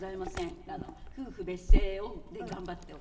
夫婦別姓で頑張っております。